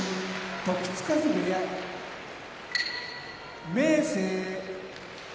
時津風部屋明生